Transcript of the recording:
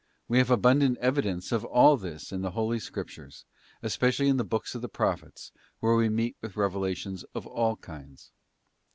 _ We have abundant evidence of all this in the Holy Scrip tures, especially in the books of the Prophets, where we meet with revelations of all kinds.